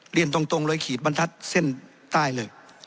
เรียนตรงเลยขีดบรรทัศน์เส้นใต้เลย